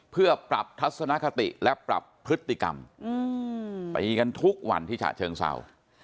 เพื่อปรับทัศนคติและปรับพฤติกรรมตีกันทุกวันที่ฉะเชิงเศร้า